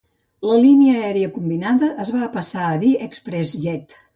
La línia aèria combinada es va passar a dir ExpressJet.